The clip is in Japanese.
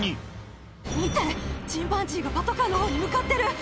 チンパンジーがパトカーのほうに向かってる。